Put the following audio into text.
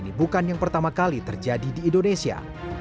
ini adalah penyakit yang pertama kali terjadi di indonesia